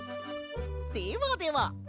ではでは。